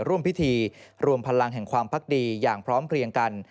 ร่วมพิธีรวมพลังแห่งความพักดีอย่างพร้อมเพลียงกัน